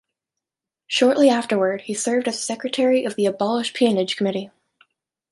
Shortly afterward, he served as secretary of the Abolish Peonage Committee.